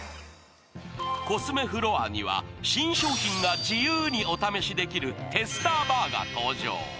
コスメフロアには新商品が自由にお試しできるテスターバーが登場。